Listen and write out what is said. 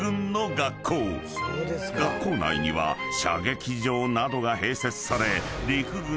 ［学校内には射撃場などが併設され］